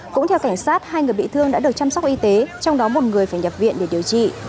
cũng theo cảnh sát hai người bị thương đã được chăm sóc y tế trong đó một người phải nhập viện để điều trị